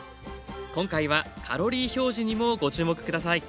今回はカロリー表示にもご注目下さい。